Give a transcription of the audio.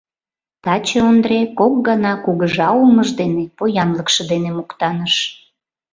Таче Ондре кок гана кугыжа улмыж дене, поянлыкше дене моктаныш.